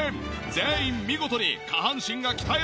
全員見事に下半身が鍛えられた！